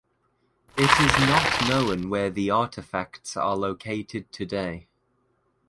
It is not known where the artifacts are located today.